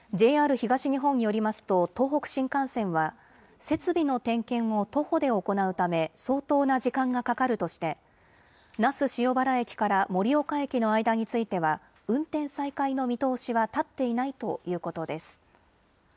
ＪＲ東日本によりますと東北新幹線は設備の点検を徒歩で行うため相当な時間がかかるとして那須塩原駅から盛岡駅の間については運転再開の見通しは立っていないということです。